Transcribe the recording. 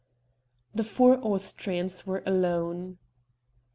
The four Austrians were alone.